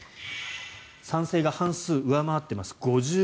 賛成が半数を上回っています。